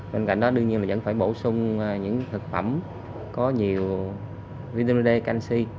bên cạnh đó đương nhiên vẫn phải bổ sung những thực phẩm có nhiều vitamin d canxi